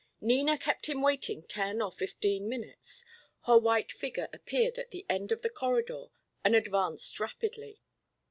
Nina kept him waiting ten or fifteen minutes. Her white figure appeared at the end of the corridor and advanced rapidly.